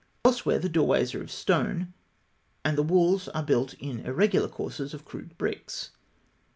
Elsewhere, the doorways are of stone, and the walls are built in irregular courses of crude bricks.